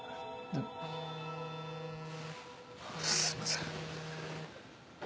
すいません。